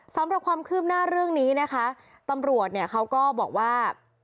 สำหรับความคืบหน้าเรื่องนี้นะคะตำรวจเนี่ยเขาก็บอกว่า